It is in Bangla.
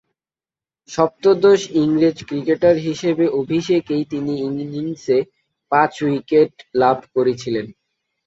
সপ্তদশ ইংরেজ ক্রিকেটার হিসেবে অভিষেকেই তিনি ইনিংসে পাঁচ উইকেট লাভ করেছিলেন।